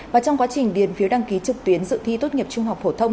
và trong quá trình điền phiếu đăng ký trực tuyến dự thi tốt nghiệp trung học phổ thông